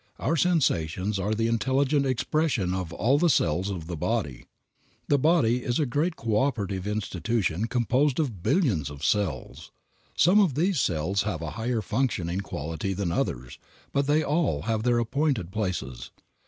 Our sensations are the intelligent expression of all the cells of the body. The body is a great coöperative institution composed of billions of cells. Some of these cells have a higher functioning quality than others, but they all have their appointed places.